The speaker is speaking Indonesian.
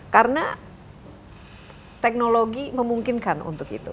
karena teknologi memungkinkan untuk itu